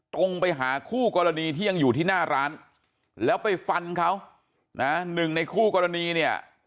ตรงไปหาคู่กรณีที่ยังอยู่ที่หน้าร้านแล้วไปฟันเขานะหนึ่งในคู่กรณีเนี่ย